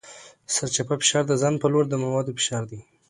سرچپه فشار د ځان په لور د موادو فشار دی.